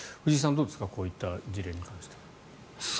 どうですかこういった事例に関しては。